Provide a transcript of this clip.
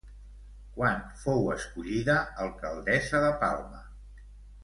Quan fou escollida alcaldessa de Palma?